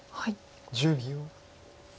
１０秒。